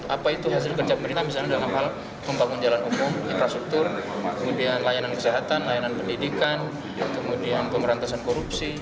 apa itu hasil kerja pemerintah misalnya dalam hal pembangun jalan umum infrastruktur kemudian layanan kesehatan layanan pendidikan kemudian pemberantasan korupsi